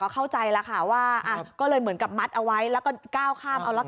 เข้าใจแล้วค่ะว่าก็เลยเหมือนกับมัดเอาไว้แล้วก็ก้าวข้ามเอาละกัน